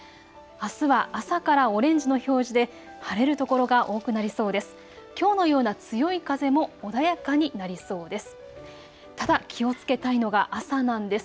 あすは朝からオレンジの表示で晴れる所が多くなりそうです。